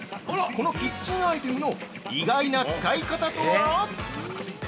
このキッチンアイテムの意外な使い方とは？